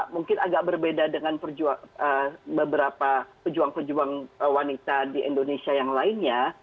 mungkin agak berbeda dengan beberapa pejuang pejuang wanita di indonesia yang lainnya